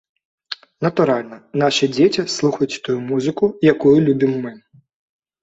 Натуральна, нашы дзеці слухаюць тую музыку, якую любім мы.